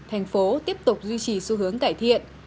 thành phố tiếp tục duy trì xu hướng cải thiện